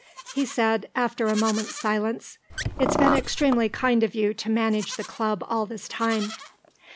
He said, after a moment's silence, "It's been extremely kind of you to manage the Club all this time."